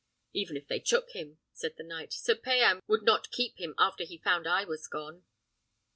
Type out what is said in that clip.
"Even if they took him," said the knight, "Sir Payan would not keep him after he found I was gone."